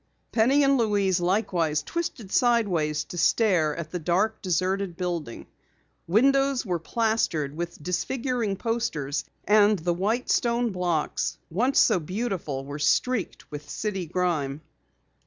_" Penny and Louise likewise twisted sideways to stare at the dark, deserted building. Windows were plastered with disfiguring posters and the white stone blocks, once so beautiful, were streaked with city grime.